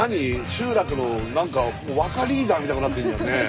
集落の何か若リーダーみたくなってんじゃんね。